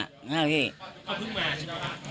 เขาเพิ่งมาใช่ไหมคะ